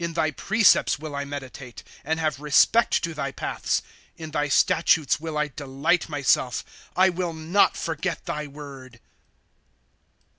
In ihy precepts will I meditate, And have respect to thy paths. 5 In thy statutes will I delight myself ; X will not forget thy word.